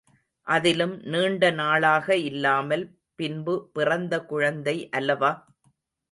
அதிலும் நீண்ட நாளாக இல்லாமல் பின்பு பிறந்த குழந்தை அல்லவா?